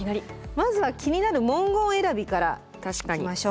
まずは気になる文言選びからいきましょう。